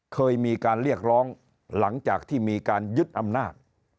เคยมีการเรียกร้องหลังจากที่มีการยึดอำนาจ